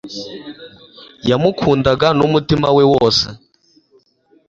yamukundaga n'umutima we wose